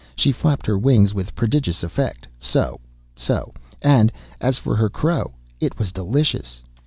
She flapped her wings with prodigious effect—so—so—so—and, as for her crow, it was delicious!